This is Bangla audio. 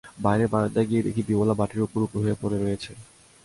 বাইরের বারান্দায় গিয়ে দেখি বিমলা মাটির উপর উপুড় হয়ে পড়ে রয়েছে।